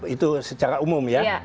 itu secara umum ya